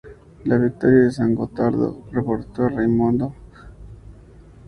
La victoria de San Gotardo reportó a Raimondo Montecuccoli una gran reputación.